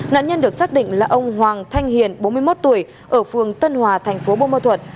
nạn nhân được xác định là ông hoàng thanh hiền bốn mươi một tuổi ở phường tân hòa thành phố bô mơ thuật